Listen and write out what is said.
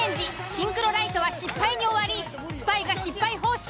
シンクロライトは失敗に終わりスパイが失敗報酬